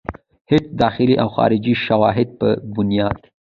هيڅ داخلي او خارجي شواهدو پۀ بنياد